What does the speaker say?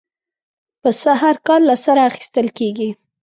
پسه هر کال له سره اخېستل کېږي.